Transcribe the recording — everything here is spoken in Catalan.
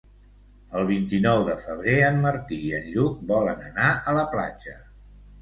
El vint-i-nou de febrer en Martí i en Lluc volen anar a la platja.